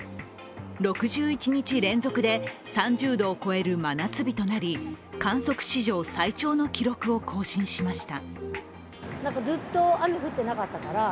６１日連続で３０度を超える真夏日となり観測史上最長の記録を更新しました。